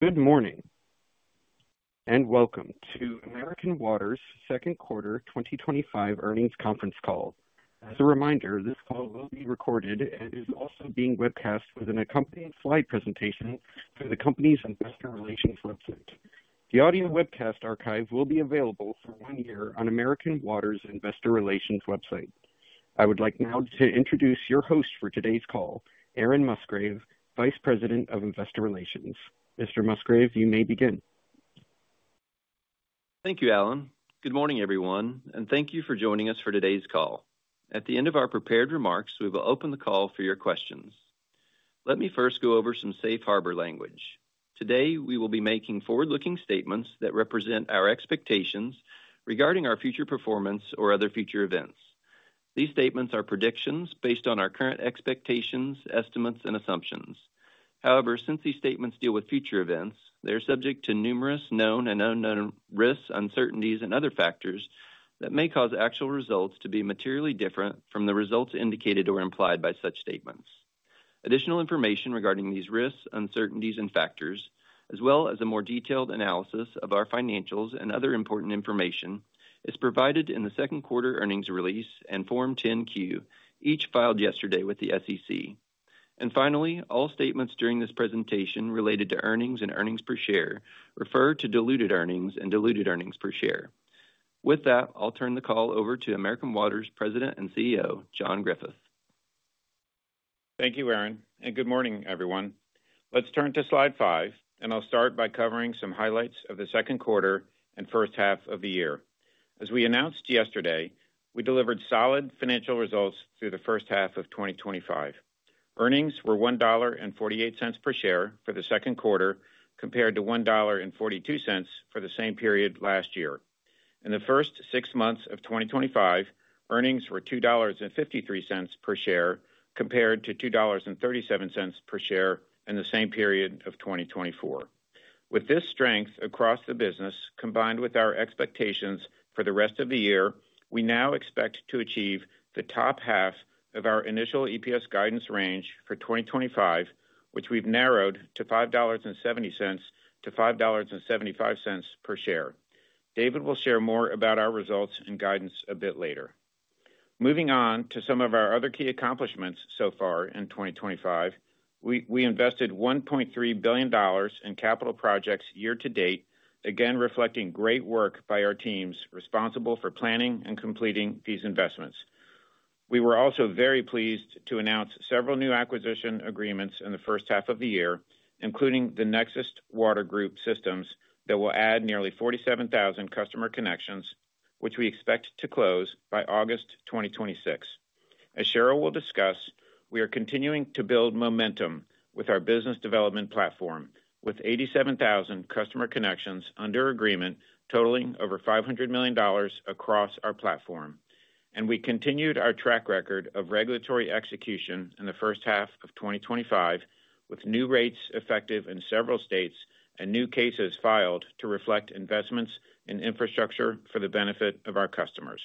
Good morning. Welcome to American Water's second quarter 2025 earnings conference call. As a reminder, this call will be recorded and is also being webcast with an accompanying slide presentation through the company's Investor Relations website. The audio webcast archive will be available for one year on American Water's Investor Relations website. I would like now to introduce your host for today's call, Aaron Musgrave, Vice President of Investor Relations. Mr. Musgrave, you may begin. Thank you, Alan. Good morning, everyone, and thank you for joining us for today's call. At the end of our prepared remarks, we will open the call for your questions. Let me first go over some safe harbor language. Today, we will be making forward-looking statements that represent our expectations regarding our future performance or other future events. These statements are predictions based on our current expectations, estimates, and assumptions. However, since these statements deal with future events, they are subject to numerous known and unknown risks, uncertainties, and other factors that may cause actual results to be materially different from the results indicated or implied by such statements. Additional information regarding these risks, uncertainties, and factors, as well as a more detailed analysis of our financials and other important information, is provided in the second quarter earnings release and Form 10-Q, each filed yesterday with the SEC. Finally, all statements during this presentation related to earnings and earnings per share refer to diluted earnings and diluted earnings per share. With that, I'll turn the call over to American Water's President and CEO, John Griffith. Thank you, Aaron, and good morning, everyone. Let's turn to slide five, and I'll start by covering some highlights of the second quarter and first half of the year. As we announced yesterday, we delivered solid financial results through the first half of 2025. Earnings were $1.48 per share for the second quarter compared to $1.42 for the same period last year. In the first six months of 2025, earnings were $2.53 per share compared to $2.37 per share in the same period of 2024. With this strength across the business combined with our expectations for the rest of the year, we now expect to achieve the top half of our initial EPS guidance range for 2025, which we've narrowed to $5.70-$5.75 per share. David will share more about our results and guidance a bit later. Moving on to some of our other key accomplishments so far in 2025, we invested $1.3 billion in capital projects year-to-date, again reflecting great work by our teams responsible for planning and completing these investments. We were also very pleased to announce several new acquisition agreements in the first half of the year, including the Nexus Water Group systems that will add nearly 47,000 customer connections, which we expect to close by August 2026. As Cheryl will discuss, we are continuing to build momentum with our business development platform, with 87,000 customer connections under agreement totaling over $500 million across our platform. We continued our track record of regulatory execution in the first half of 2025, with new rates effective in several states and new cases filed to reflect investments in infrastructure for the benefit of our customers.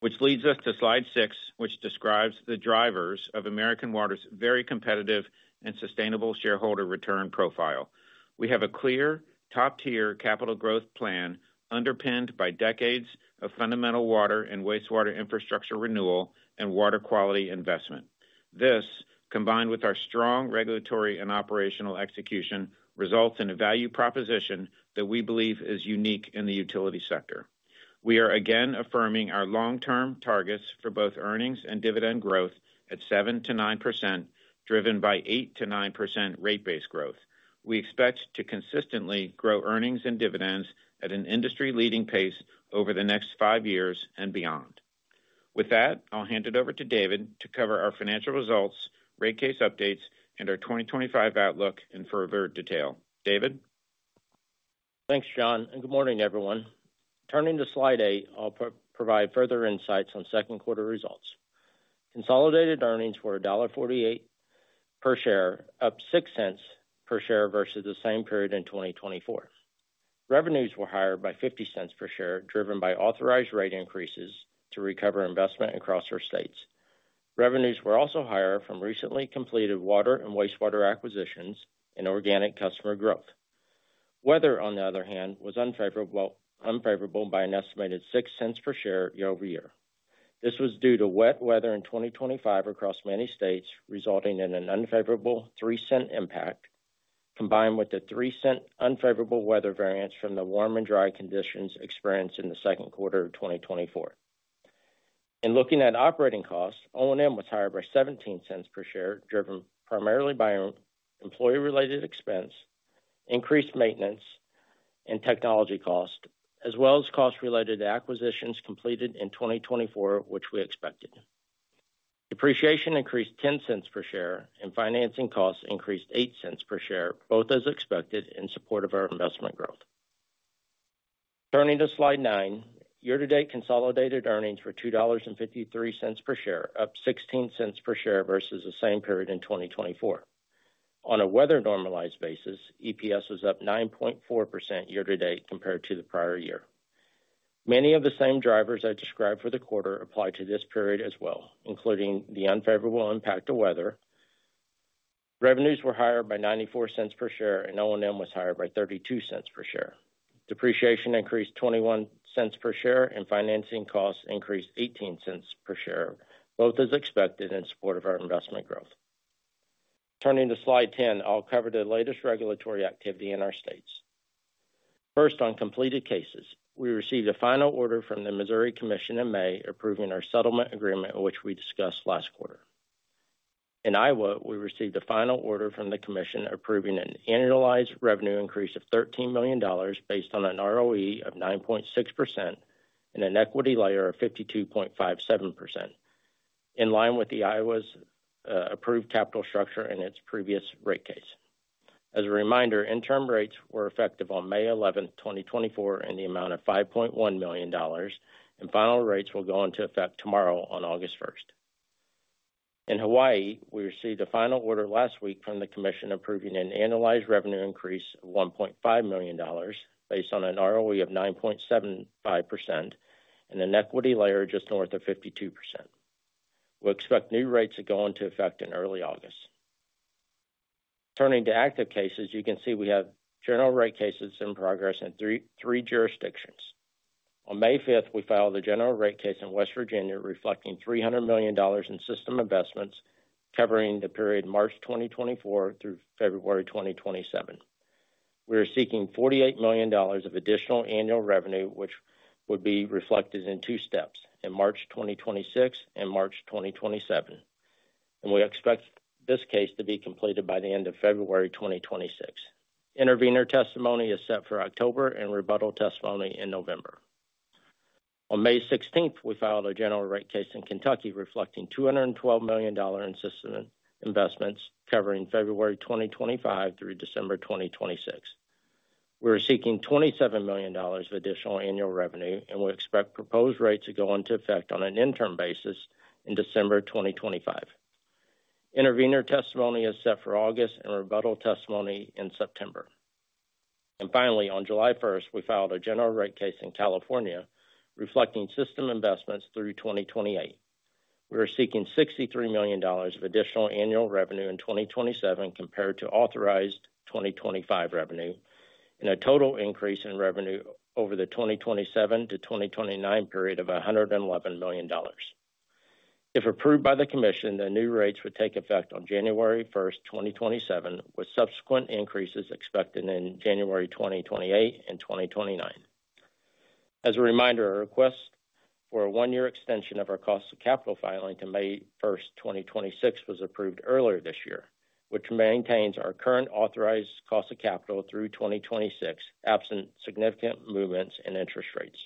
Which leads us to slide six, which describes the drivers of American Water's very competitive and sustainable shareholder return profile. We have a clear top-tier capital growth plan underpinned by decades of fundamental water and wastewater infrastructure renewal and water quality investment. This, combined with our strong regulatory and operational execution, results in a value proposition that we believe is unique in the utility sector. We are again affirming our long-term targets for both earnings and dividend growth at 7%-9%, driven by 8%-9% rate base growth. We expect to consistently grow earnings and dividends at an industry-leading pace over the next five years and beyond. With that, I'll hand it over to David to cover our financial results, rate case updates, and our 2025 outlook in further detail. David. Thanks, John, and good morning, everyone. Turning to slide eight, I'll provide further insights on second quarter results. Consolidated earnings were $1.48 per share, up $0.06 per share versus the same period in 2024. Revenues were higher by $0.50 per share, driven by authorized rate increases to recover investment across our states. Revenues were also higher from recently completed water and wastewater acquisitions and organic customer growth. Weather, on the other hand, was unfavorable by an estimated $0.06 per share year over year. This was due to wet weather in 2025 across many states, resulting in an unfavorable $0.03 impact, combined with the $0.03 unfavorable weather variance from the warm and dry conditions experienced in the second quarter of 2024. In looking at operating costs, O&M was higher by $0.17 per share, driven primarily by employee-related expense, increased maintenance, and technology cost, as well as cost-related acquisitions completed in 2024, which we expected. Depreciation increased $0.10 per share, and financing costs increased $0.08 per share, both as expected in support of our investment growth. Turning to slide nine, year-to-date consolidated earnings were $2.53 per share, up $0.16 per share versus the same period in 2024. On a weather-normalized basis, EPS was up 9.4% year-to-date compared to the prior year. Many of the same drivers I described for the quarter apply to this period as well, including the unfavorable impact of weather. Revenues were higher by $0.94 per share, and O&M was higher by $0.32 per share. Depreciation increased $0.21 per share, and financing costs increased $0.18 per share, both as expected in support of our investment growth. Turning to slide 10, I'll cover the latest regulatory activity in our states. First, on completed cases, we received a final order from the Missouri Commission in May, approving our settlement agreement, which we discussed last quarter. In Iowa, we received a final order from the Commission, approving an annualized revenue increase of $13 million based on an ROE of 9.6% and an equity layer of 52.57%, in line with Iowa's approved capital structure in its previous rate case. As a reminder, interim rates were effective on May 11th, 2024, in the amount of $5.1 million, and final rates will go into effect tomorrow on August 1st. In Hawaii, we received a final order last week from the Commission, approving an annualized revenue increase of $1.5 million based on an ROE of 9.75% and an equity layer just north of 52%. We expect new rates to go into effect in early August. Turning to active cases, you can see we have general rate cases in progress in three jurisdictions. On May 5th, we filed a general rate case in West Virginia, reflecting $300 million in system investments covering the period March 2024 through February 2027. We are seeking $48 million of additional annual revenue, which would be reflected in two steps, in March 2026 and March 2027. We expect this case to be completed by the end of February 2026. Intervenor testimony is set for October and rebuttal testimony in November. On May 16th, we filed a general rate case in Kentucky, reflecting $212 million in system investments covering February 2025 through December 2026. We are seeking $27 million of additional annual revenue, and we expect proposed rates to go into effect on an interim basis in December 2025. Intervenor testimony is set for August and rebuttal testimony in September. Finally, on July 1st, we filed a general rate case in California, reflecting system investments through 2028. We are seeking $63 million of additional annual revenue in 2027 compared to authorized 2025 revenue, and a total increase in revenue over the 2027-2029 period of $111 million. If approved by the Commission, the new rates would take effect on January 1st, 2027, with subsequent increases expected in January 2028 and 2029. As a reminder, our request for a one-year extension of our cost of capital filing to May 1st, 2026, was approved earlier this year, which maintains our current authorized cost of capital through 2026, absent significant movements in interest rates.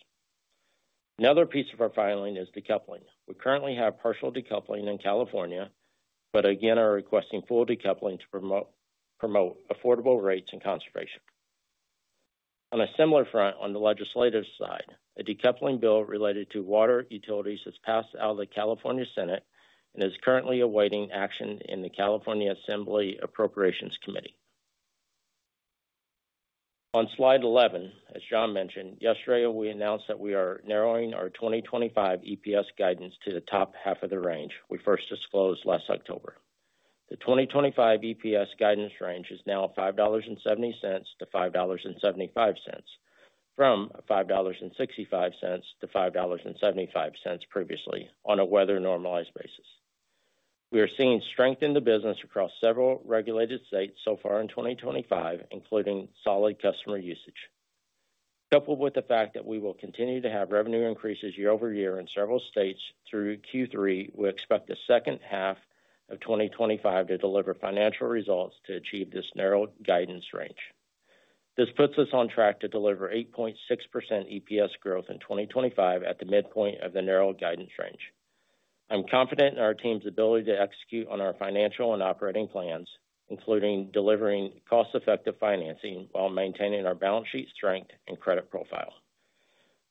Another piece of our filing is decoupling. We currently have partial decoupling in California, but again are requesting full decoupling to promote affordable rates and conservation. On a similar front, on the legislative side, a decoupling bill related to water utilities has passed out of the California Senate and is currently awaiting action in the California Assembly Appropriations Committee. On slide 11, as John mentioned, yesterday we announced that we are narrowing our 2025 EPS guidance to the top half of the range we first disclosed last October. The 2025 EPS guidance range is now $5.70-$5.75, from $5.65-$5.75 previously on a weather-normalized basis. We are seeing strength in the business across several regulated states so far in 2025, including solid customer usage. Coupled with the fact that we will continue to have revenue increases year-over-year in several states through Q3, we expect the second half of 2025 to deliver financial results to achieve this narrowed guidance range. This puts us on track to deliver 8.6% EPS growth in 2025 at the midpoint of the narrowed guidance range. I'm confident in our team's ability to execute on our financial and operating plans, including delivering cost-effective financing while maintaining our balance sheet strength and credit profile.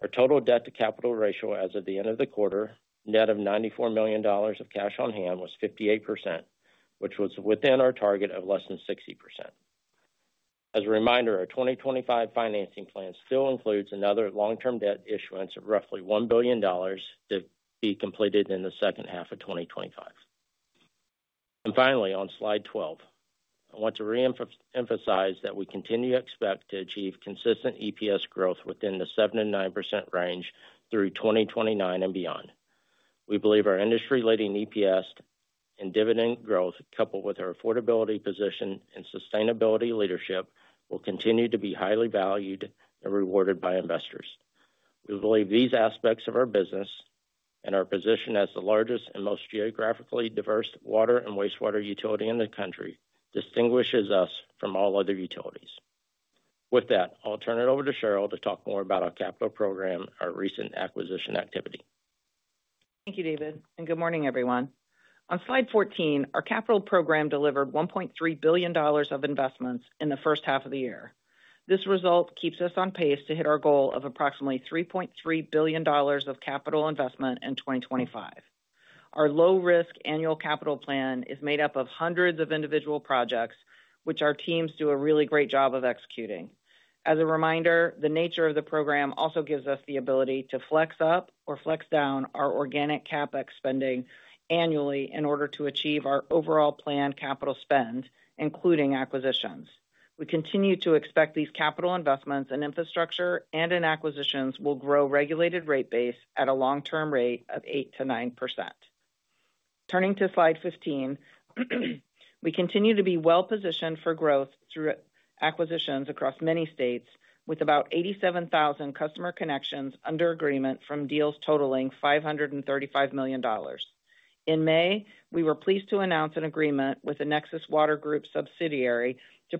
Our total debt-to-capital ratio as of the end of the quarter, net of $94 million of cash on hand, was 58%, which was within our target of less than 60%. As a reminder, our 2025 financing plan still includes another long-term debt issuance of roughly $1 billion to be completed in the second half of 2025. Finally, on slide 12, I want to re-emphasize that we continue to expect to achieve consistent EPS growth within the 7%-9% range through 2029 and beyond. We believe our industry-leading EPS and dividend growth, coupled with our affordability position and sustainability leadership, will continue to be highly valued and rewarded by investors. We believe these aspects of our business and our position as the largest and most geographically diverse water and wastewater utility in the country distinguishes us from all other utilities. With that, I'll turn it over to Cheryl to talk more about our capital program, our recent acquisition activity. Thank you, David. Good morning, everyone. On slide 14, our capital program delivered $1.3 billion of investments in the first half of the year. This result keeps us on pace to hit our goal of approximately $3.3 billion of capital investment in 2025. Our low-risk annual capital plan is made up of hundreds of individual projects, which our teams do a really great job of executing. As a reminder, the nature of the program also gives us the ability to flex up or flex down our organic CapEx spending annually in order to achieve our overall planned capital spend, including acquisitions. We continue to expect these capital investments in infrastructure and in acquisitions will grow regulated rate base at a long-term rate of 8%-9%. Turning to slide 15, we continue to be well-positioned for growth through acquisitions across many states, with about 87,000 customer connections under agreement from deals totaling $535 million. In May, we were pleased to announce an agreement with the Nexus Water Group subsidiary to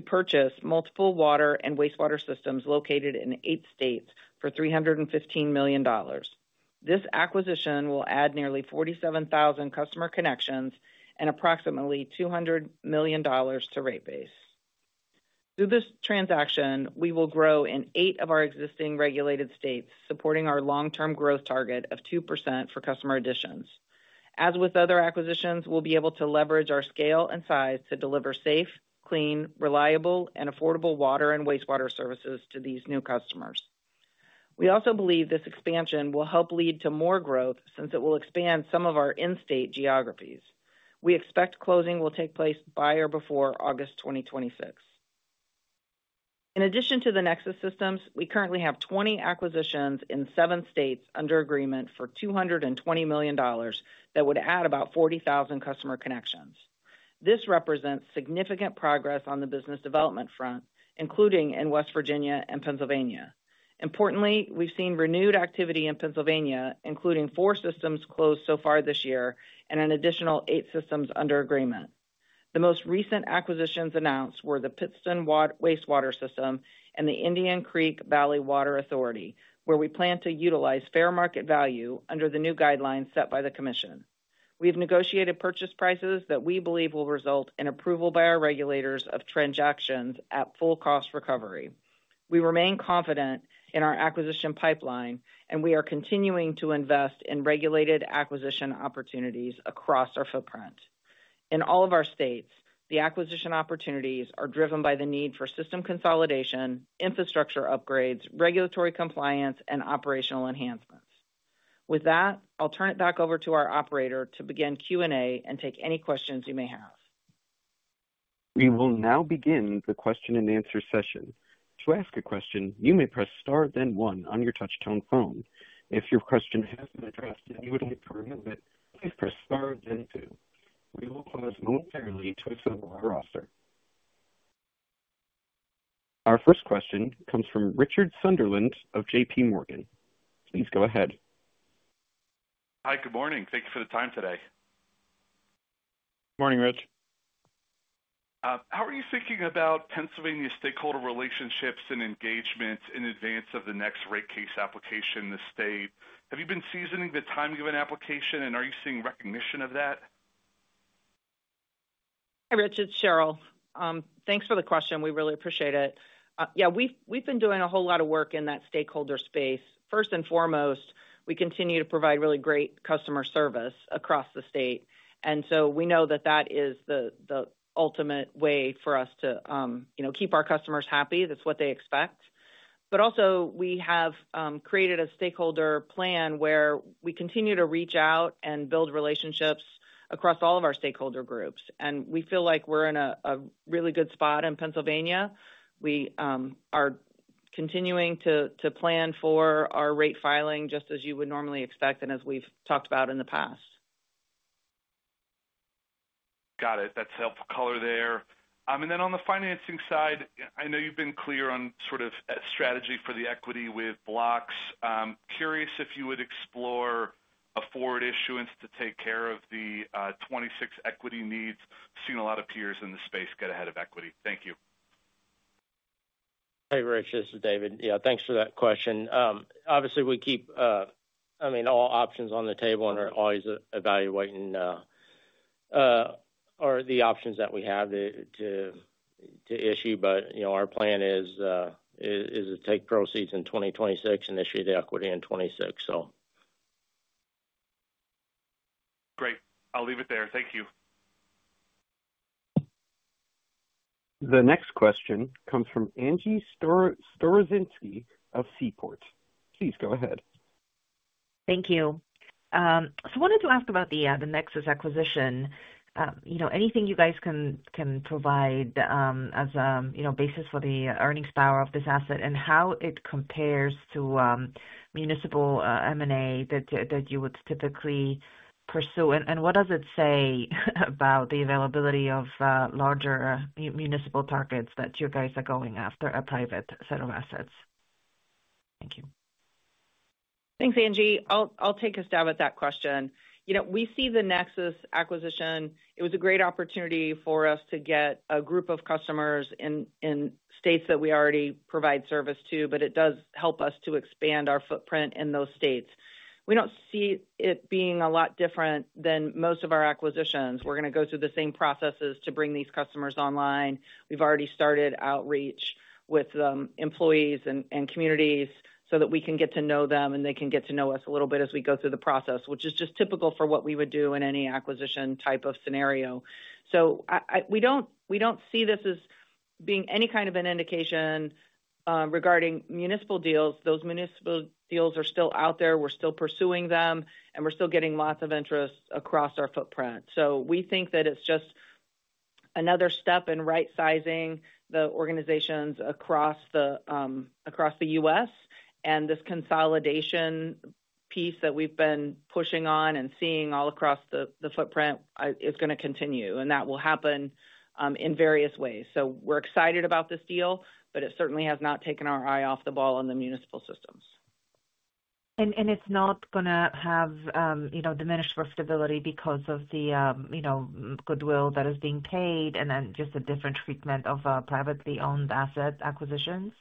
purchase multiple water and wastewater systems located in eight states for $315 million. This acquisition will add nearly 47,000 customer connections and approximately $200 million to rate base. Through this transaction, we will grow in eight of our existing regulated states, supporting our long-term growth target of 2% for customer additions. As with other acquisitions, we'll be able to leverage our scale and size to deliver safe, clean, reliable, and affordable water and wastewater services to these new customers. We also believe this expansion will help lead to more growth since it will expand some of our in-state geographies. We expect closing will take place by or before August 2026. In addition to the Nexus systems, we currently have 20 acquisitions in seven states under agreement for $220 million that would add about 40,000 customer connections. This represents significant progress on the business development front, including in West Virginia and Pennsylvania. Importantly, we've seen renewed activity in Pennsylvania, including four systems closed so far this year and an additional eight systems under agreement. The most recent acquisitions announced were the Pittston wastewater system and the Indian Creek Valley Water Authority, where we plan to utilize fair market value under the new guidelines set by the Commission. We've negotiated purchase prices that we believe will result in approval by our regulators of transactions at full cost recovery. We remain confident in our acquisition pipeline, and we are continuing to invest in regulated acquisition opportunities across our footprint. In all of our states, the acquisition opportunities are driven by the need for system consolidation, infrastructure upgrades, regulatory compliance, and operational enhancements. With that, I'll turn it back over to our operator to begin Q&A and take any questions you may have. We will now begin the question-and-answer session. To ask a question, you may press star then one on your touch-tone phone. If your question has been addressed and you would like to remove it, please press star then two. We will pause momentarily to assemble our roster. Our first question comes from Richard Sunderland of JPMorgan. Please go ahead. Hi, good morning. Thank you for the time today. Morning, Rich. How are you thinking about Pennsylvania stakeholder relationships and engagements in advance of the next rate case application in the state? Have you been seasoning the time given application, and are you seeing recognition of that? Hi, Richard, it's Cheryl. Thanks for the question. We really appreciate it. We've been doing a whole lot of work in that stakeholder space. First and foremost, we continue to provide really great customer service across the state. We know that that is the ultimate way for us to keep our customers happy. That's what they expect. We have created a stakeholder plan where we continue to reach out and build relationships across all of our stakeholder groups. We feel like we're in a really good spot in Pennsylvania. We are continuing to plan for our rate filing just as you would normally expect and as we've talked about in the past. Got it. That's helpful color there. On the financing side, I know you've been clear on sort of strategy for the equity with blocks. Curious if you would explore a forward issuance to take care of the 2026 equity needs. Seen a lot of peers in the space get ahead of equity. Thank you. Hey, Rich, this is David. Yeah, thanks for that question. Obviously, we keep all options on the table and are always evaluating the options that we have to issue. Our plan is to take proceeds in 2026 and issue the equity in 2026. Great. I'll leave it there. Thank you. The next question comes from Angie Storozynski of Seaport. Please go ahead. Thank you. I wanted to ask about the Nexus acquisition. Anything you guys can provide as a basis for the earnings power of this asset and how it compares to municipal M&A that you would typically pursue, and what does it say about the availability of larger municipal targets that you guys are going after a private set of assets? Thank you. Thanks, Angie. I'll take a stab at that question. We see the Nexus acquisition. It was a great opportunity for us to get a group of customers in states that we already provide service to, but it does help us to expand our footprint in those states. We don't see it being a lot different than most of our acquisitions. We're going to go through the same processes to bring these customers online. We've already started outreach with employees and communities so that we can get to know them and they can get to know us a little bit as we go through the process, which is just typical for what we would do in any acquisition type of scenario. We don't see this as being any kind of an indication. Regarding municipal deals, those municipal deals are still out there. We're still pursuing them, and we're still getting lots of interest across our footprint. We think that it's just another step in right-sizing the organizations across the U.S., and this consolidation piece that we've been pushing on and seeing all across the footprint is going to continue, and that will happen in various ways. We're excited about this deal, but it certainly has not taken our eye off the ball on the municipal systems. It is not going to have diminished profitability because of the goodwill that is being paid and then just a different treatment of privately owned asset acquisitions?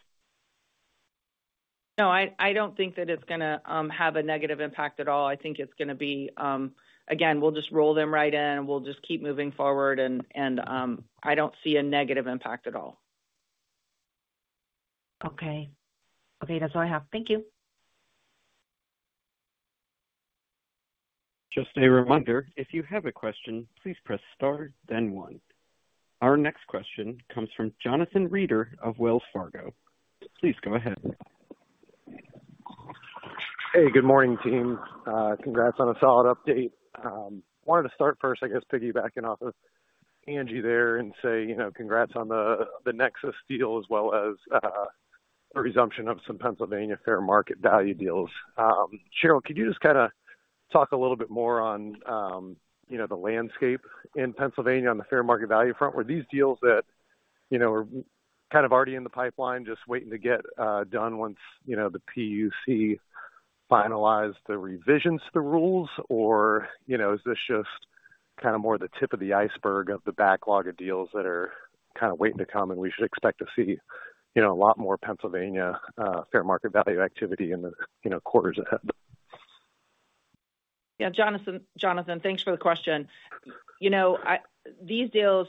No, I don't think that it's going to have a negative impact at all. I think it's going to be, again, we'll just roll them right in and we'll just keep moving forward. I don't see a negative impact at all. Okay. That's all I have. Thank you. Just a reminder, if you have a question, please press star then one. Our next question comes from Jonathan Reeder of Wells Fargo. Please go ahead. Hey, good morning, team. Congrats on a solid update. I wanted to start first, I guess, piggybacking off of Angie there and say congrats on the Nexus deal as well as the resumption of some Pennsylvania fair market value deals. Cheryl, could you just kind of talk a little bit more on the landscape in Pennsylvania on the fair market value front? Were these deals that were kind of already in the pipeline just waiting to get done once the PUC finalized the revisions to the rules, or is this just kind of more the tip of the iceberg of the backlog of deals that are kind of waiting to come, and we should expect to see a lot more Pennsylvania fair market value activity in the quarters ahead? Yeah, Jonathan, thanks for the question. These deals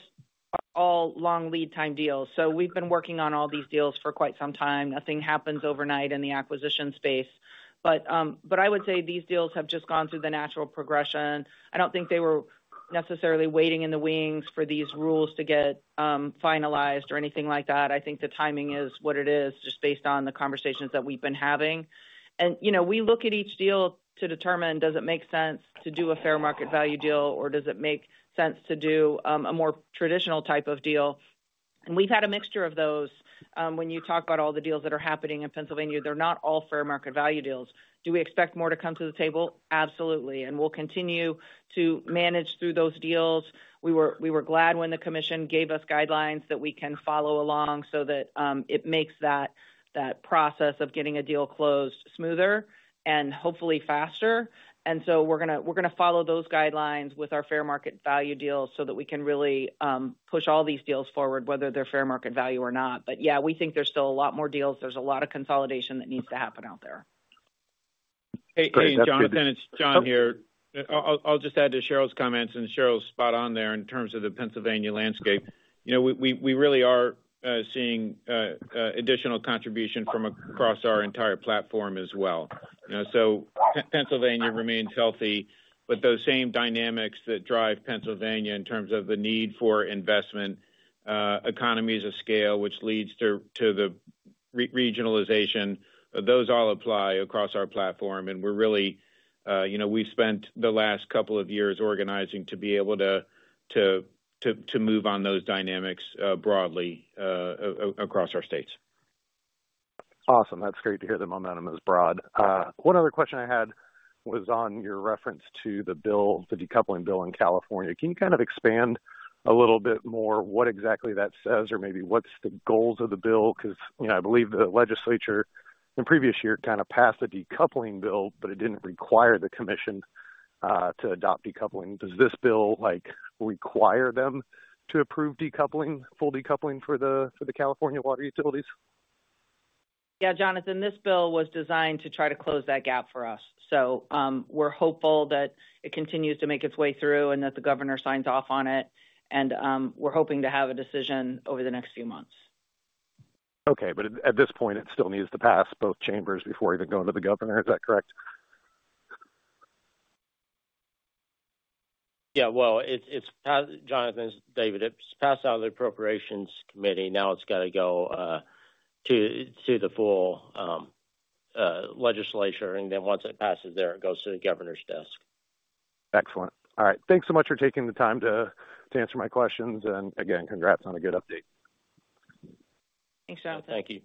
are all long lead-time deals. We've been working on all these deals for quite some time. Nothing happens overnight in the acquisition space. I would say these deals have just gone through the natural progression. I don't think they were necessarily waiting in the wings for these rules to get finalized or anything like that. I think the timing is what it is, just based on the conversations that we've been having. We look at each deal to determine, does it make sense to do a fair market value deal, or does it make sense to do a more traditional type of deal? We've had a mixture of those. When you talk about all the deals that are happening in Pennsylvania, they're not all fair market value deals. Do we expect more to come to the table? Absolutely. We'll continue to manage through those deals. We were glad when the Commission gave us guidelines that we can follow along so that it makes that process of getting a deal closed smoother and hopefully faster. We're going to follow those guidelines with our fair market value deals so that we can really push all these deals forward, whether they're fair market value or not. We think there's still a lot more deals. There's a lot of consolidation that needs to happen out there. Hey, Jonathan, it's John here. I'll just add to Cheryl's comments, and Cheryl's spot on there in terms of the Pennsylvania landscape. We really are seeing additional contribution from across our entire platform as well. Pennsylvania remains healthy, but those same dynamics that drive Pennsylvania in terms of the need for investment, economies of scale, which leads to the regionalization, all apply across our platform. We've spent the last couple of years organizing to be able to move on those dynamics broadly across our states. Awesome. That's great to hear the momentum is broad. One other question I had was on your reference to the bill, the decoupling bill in California. Can you kind of expand a little bit more what exactly that says, or maybe what's the goals of the bill? I believe the legislature in previous years kind of passed a decoupling bill, but it didn't require the Commission to adopt decoupling. Does this bill require them to approve full decoupling for the California water utilities? Jonathan, this bill was designed to try to close that gap for us. We are hopeful that it continues to make its way through and that the governor signs off on it. We are hoping to have a decision over the next few months. Okay, at this point, it still needs to pass both chambers before even going to the governor. Is that correct? Yeah, it's passed, Jonathan, it's David, it's passed out of the Appropriations Committee. Now it's got to go to the full legislature, and then once it passes there, it goes to the governor's desk. Excellent. All right. Thanks so much for taking the time to answer my questions. Again, congrats on a good update. Thanks, Jonathan. Thank you.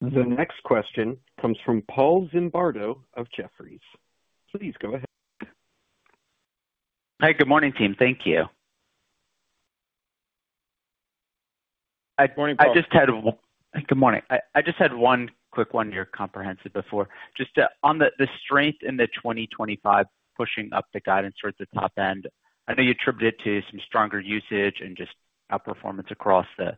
The next question comes from Paul Zimbardo of Jefferies. Please go ahead. Hi, good morning, team. Thank you. Hi, good morning, Paul. Good morning. I just had one quick one here, comprehensive before. Just on the strength in the 2025, pushing up the guidance towards the top end. I know you attributed it to some stronger usage and just outperformance across the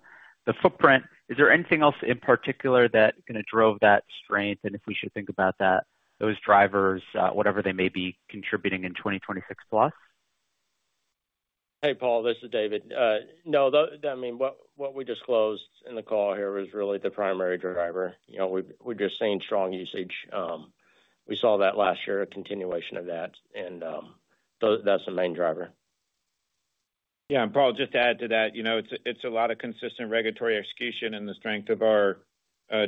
footprint. Is there anything else in particular that kind of drove that strength? If we should think about that, those drivers, whatever they may be, contributing in 2026+? Hey, Paul, this is David. No, I mean, what we disclosed in the call here was really the primary driver. We've just seen strong usage. We saw that last year, a continuation of that. That's the main driver. Yeah, Paul, just to add to that, it's a lot of consistent regulatory execution and the strength of our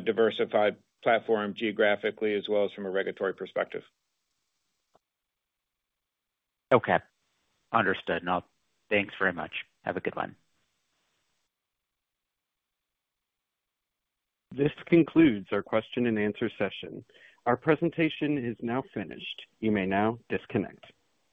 diversified platform geographically as well as from a regulatory perspective. Okay. Understood. Thanks very much. Have a good one. This concludes our question-and-answer session. Our presentation is now finished. You may now disconnect.